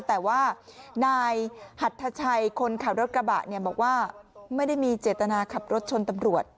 แต่ว่านายหัทชัยคนขับรถกระบะเนี่ยบอกว่าไม่ได้มีเจตนาขับรถชนตำรวจ